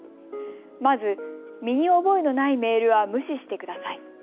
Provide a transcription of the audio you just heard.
まず、身に覚えのないメールは無視してください。